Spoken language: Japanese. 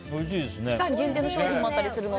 期間限定の商品もあったりするので。